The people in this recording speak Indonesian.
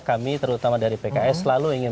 kami terutama dari pks selalu ingin